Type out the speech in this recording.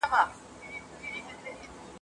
له عالمه له کتابه یې نفرت سي ..